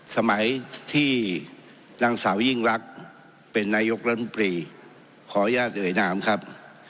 สมัยที่นางสาวยิ่งรักเป็นนายกรัฐมนตรีขออนุญาตเอ่ยนามครับ